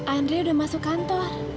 andri udah masuk kantor